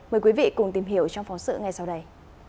mời quý vị cùng tìm hiểu trong phóng sự ngay sau đây